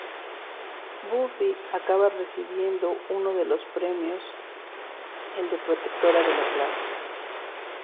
Buffy acaba recibiendo uno de los premios, el de Protectora de la Clase.